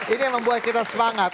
ini yang membuat kita semangat